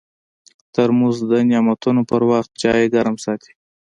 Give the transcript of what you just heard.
ترموز د نعتونو پر وخت چای ګرم ساتي.